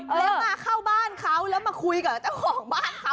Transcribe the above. แล้วมาเข้าบ้านเขาแล้วมาคุยกับเจ้าของบ้านเขา